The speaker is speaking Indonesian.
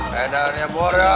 keadaannya apa ya